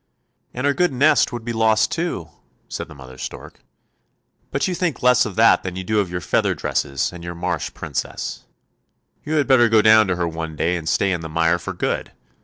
" And our good nest would be lost too," said the mother stork; " but you think less of that than you do of your feather dresses, and your marsh Princess. You had better go down to her one day and stay in the mire for good.